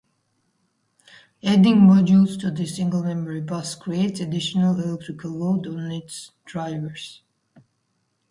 Adding modules to the single memory bus creates additional electrical load on its drivers.